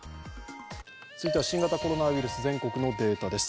続いては新型コロナウイルス、全国のデータです。